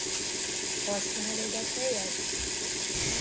Használod a fejed?